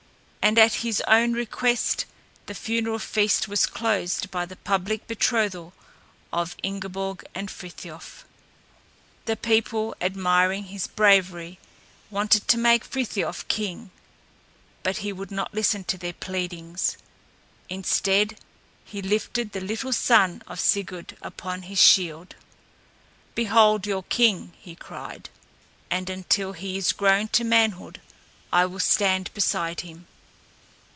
And at his own request the funeral feast was closed by the public betrothal of Ingeborg and Frithiof. The people, admiring his bravery, wanted to make Frithiof king, but he would not listen to their pleadings. Instead he lifted the little son of Sigurd upon his shield. "Behold your king," he cried, "and until he is grown to manhood I will stand beside him."